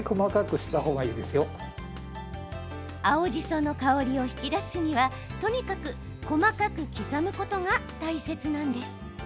その香りを引き出すにはとにかく細かく刻むことが大切なんです。